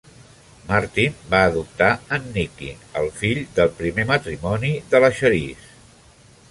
Martin va adoptar en Nicky, el fill del primer matrimoni de la Charisse.